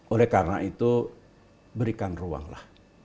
oleh karena itu berikan ruanglah